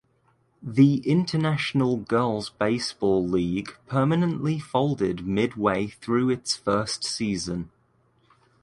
The International Girls Baseball League permanently folded midway through its first season.